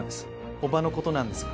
叔母の事なんですが。